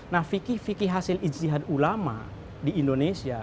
nah fikih fikih hasil ijtihad ulama di indonesia